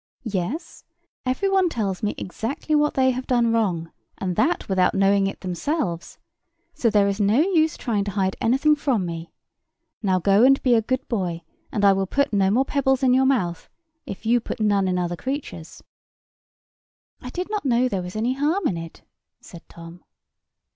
"Yes; every one tells me exactly what they have done wrong; and that without knowing it themselves. So there is no use trying to hide anything from me. Now go, and be a good boy, and I will put no more pebbles in your mouth, if you put none in other creatures'." "I did not know there was any harm in it," said Tom.